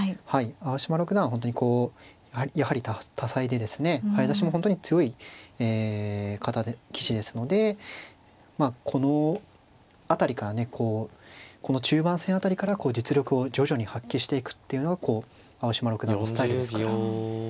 青嶋六段は本当にこうやはり多才でですね早指しも本当に強いえ棋士ですのでこの辺りからねこうこの中盤戦辺りから実力を徐々に発揮していくっていうのが青嶋六段のスタイルですから。